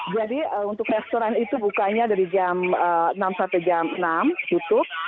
jadi untuk restoran itu bukanya dari jam enam sampai jam enam tutup